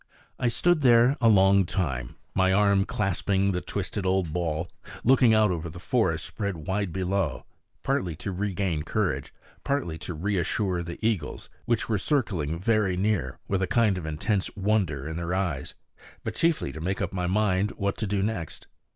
I stood there a long time, my arm clasping the twisted old boll, looking out over the forest spread wide below, partly to regain courage, partly to reassure the eagles, which were circling very near with a kind of intense wonder in their eyes, but chiefly to make up my mind what to do next.